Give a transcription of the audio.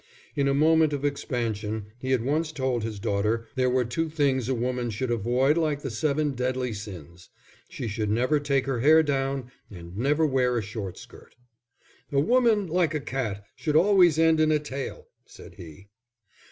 In a moment of expansion he had once told his daughter there were two things a woman should avoid like the seven deadly sins: she should never take her hair down and never wear a short skirt. "A woman, like a cat, should always end in a tail," said he.